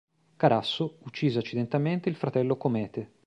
Carasso uccise accidentalmente il fratello Comete.